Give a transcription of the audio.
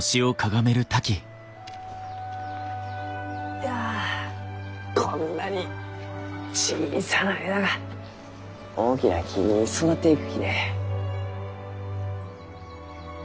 いやこんなに小さな枝が大きな木に育っていくきね。